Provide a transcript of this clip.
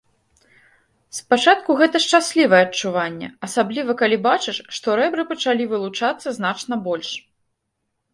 Спачатку гэта шчаслівае адчуванне, асабліва калі бачыш, што рэбры пачалі вылучацца значна больш.